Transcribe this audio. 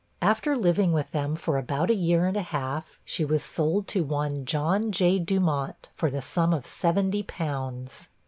After living with them for about a year and a half, she was sold to one John J. Dumont, for the sum of seventy pounds.